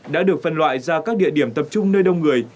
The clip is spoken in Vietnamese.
đã được phân loại ra các địa điểm tập trung nơi đông người